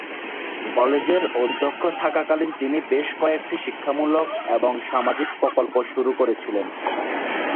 কলেজের অধ্যক্ষ থাকাকালীন তিনি বেশ কয়েকটি শিক্ষামূলক এবং সামাজিক প্রকল্প শুরু করেছিলেন।